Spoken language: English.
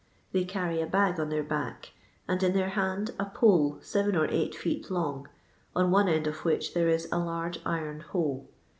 They carry a bag on their back, and in their hand a pole seven or eight feet long, on one end of which there is a large iron hoe.